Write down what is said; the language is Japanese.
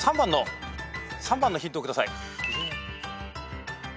３番のヒントをください。